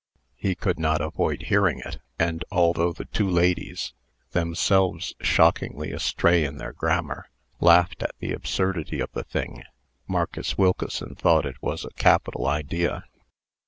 He could not avoid hearing it; and, although the two ladies (themselves shockingly astray in their grammar) laughed at the absurdity of the thing, Marcus Wilkeson thought it was a capital idea.